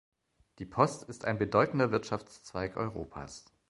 Die Post ist ein bedeutender Wirtschaftszweig Europas.